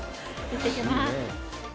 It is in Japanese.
いってきます。